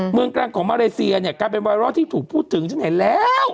กลางของมาเลเซียเนี่ยกลายเป็นไวรัลที่ถูกพูดถึงที่ไหนแล้ว